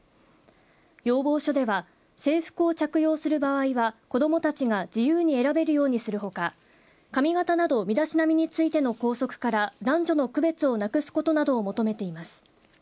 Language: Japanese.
要望書では制服を着用する場合は子どもたちが自由に選べるようにするほか髪型など身だしなみについての校則から男女の区別をなくすことなどを求めています。